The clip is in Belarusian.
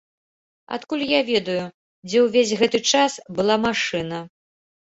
Адкуль я ведаю, дзе ўвесь гэты час была машына?